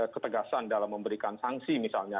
ketegasan dalam memberikan sanksi misalnya